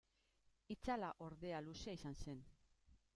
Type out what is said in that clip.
Itzala, ordea, luzea izan zen.